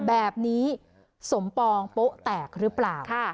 แบบนี้สมปองโป๊ะแตกหรือเปล่า